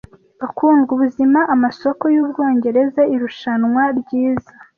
Bakundwa ubuzima-amasoko y'Ubwongereza! Irushanwa ryiza